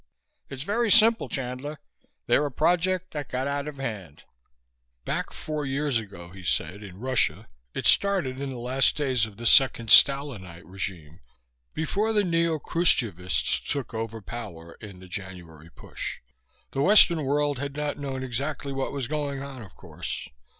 It's very simple, Chandler: they're a project that got out of hand." Back four years ago, he said, in Russia, it started in the last days of the Second Stalinite Regime, before the Neo Krushchevists took over power in the January Push. The Western World had not known exactly what was going on, of course.